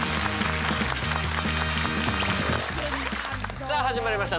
さあ始まりました